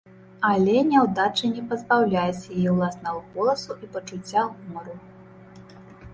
Але няўдачы не пазбаўляюць яе ўласнага голасу і пачуцця гумару.